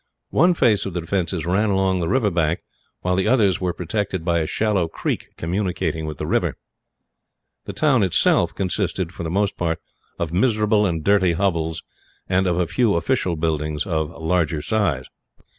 One face of the defences ran along the river bank, while the others were protected by a shallow creek communicating with the river. The town itself consisted, for the most part, of miserable and dirty hovels; and of a few official buildings of larger size.